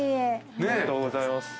おめでとうございます。